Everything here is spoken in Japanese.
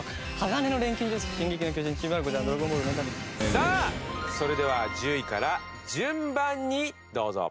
さあそれでは１０位から順番にどうぞ。